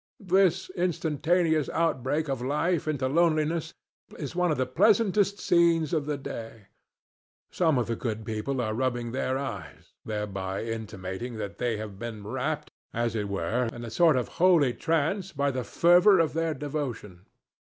This instantaneous outbreak of life into loneliness is one of the pleasantest scenes of the day. Some of the good people are rubbing their eyes, thereby intimating that they have been wrapped, as it were, in a sort of holy trance by the fervor of their devotion.